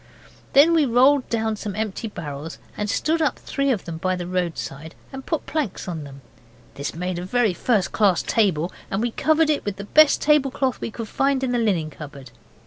Then we rolled down some empty barrels and stood up three of them by the roadside, and put planks on them. This made a very first class table, and we covered it with the best tablecloth we could find in the linen cupboard.